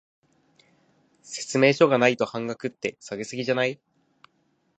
説明書がないと半額って、下げ過ぎじゃない？